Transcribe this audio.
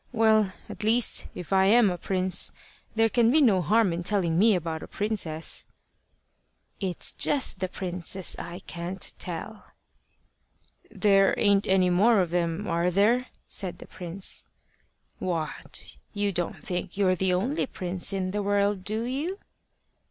Well, at least, if I am a prince, there can be no harm in telling me about a princess." "It's just the princes I can't tell." "There ain't any more of them are there?" said the prince. "What! you don't think you're the only prince in the world, do you?"